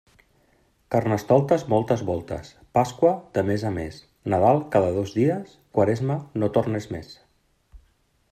Carnestoltes moltes voltes, Pasqua de mes a més, Nadal cada dos dies, Quaresma, no tornes més.